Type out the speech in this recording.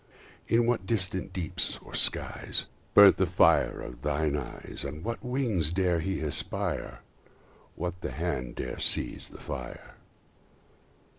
In what distant deeps or skies Burnt the fire of thine eyes? On what wings dare he aspire? What the hand dare sieze the fire?